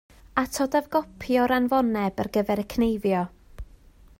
Atodaf gopi o'r anfoneb ar gyfer y cneifio